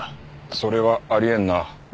それはあり得んな。